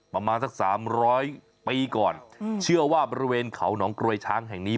ประมาณสักสามร้อยปีก่อนเชื่อว่าบริเวณเขาหนองกรวยช้างแห่งนี้